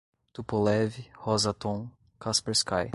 Tupolev, Rosatom, Kaspersky